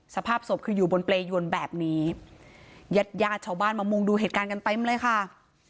สภาพศพคืออยู่บนเปรยวนแบบนี้ญาติญาติชาวบ้านมามุงดูเหตุการณ์กันเต็มเลยค่ะ